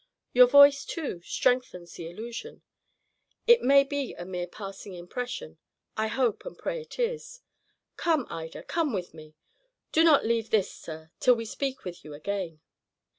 Your voice, too, strengthens the illusion. It may be a mere passing impression; I hope and pray it is. Come, Ida, come with me. Do not leave this, sir, till we speak with you again."